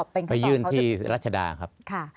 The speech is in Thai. ไปยื่นที่รัชดาครับ